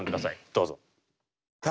どうぞ。